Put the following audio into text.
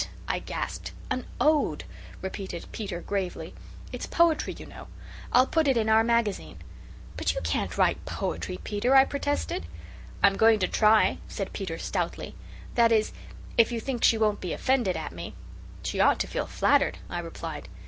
I gasped. "An ode," repeated Peter, gravely. "It's poetry, you know. I'll put it in Our Magazine." "But you can't write poetry, Peter," I protested. "I'm going to try," said Peter stoutly. "That is, if you think she won't be offended at me." "She ought to feel flattered," I replied.